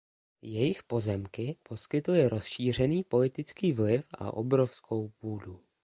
Jejich pozemky poskytly rozšířený politický vliv a obrovskou půdu.